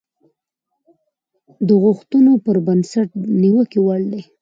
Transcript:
د غوښتنو پر بنسټ د نيوکې وړ دي.